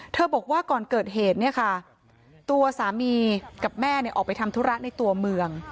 บอกว่าก่อนเกิดเหตุเนี่ยค่ะตัวสามีกับแม่ออกไปทำธุระในตัวเมือง